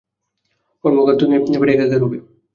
ওর মুখ আর থুতনি ফেটে একাকার হবে।